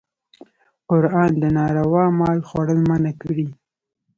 قرآن د ناروا مال خوړل منع کړي.